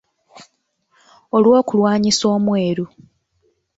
Olw’okulwanyisa omweru.